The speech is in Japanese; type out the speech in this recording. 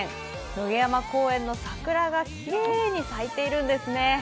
野毛山公園の桜がきれいに咲いているんですね。